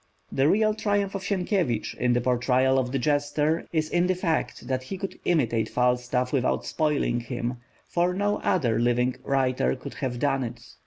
The real triumph of Sienkiewicz in the portrayal of the jester is in the fact that he could imitate Falstaff without spoiling him, for no other living writer could have done it.